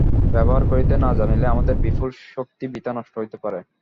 ব্যবহার করিতে না জানিলে আমাদের বিপুল শক্তি বৃথা নষ্ট হইতে পারে।